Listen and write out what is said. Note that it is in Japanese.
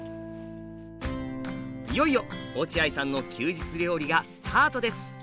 いよいよ落合さんの休日料理がスタートです。